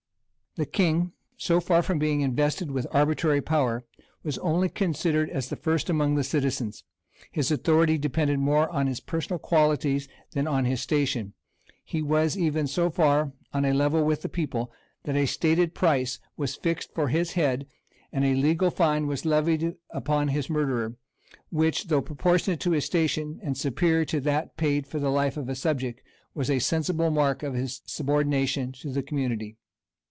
The king, so far from being invested with arbitrary power, was only considered as the first among the citizens; his authority depended more on his personal qualities than on his station; he was even so far on a level with the people, that a stated price was fixed for his head, and a legal fine was levied upon his murderer, which, though proportionate to his station, and superior to that paid for the life of a subject, was a sensible mark of his subordination to the community.